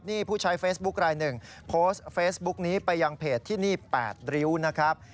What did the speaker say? นี่ผู้ใช้เฟซบุ๊คลายหนึ่งโพสต์เฟซบุ๊กนี้ไปยังเพจที่นี่๘ริ้วนะครับ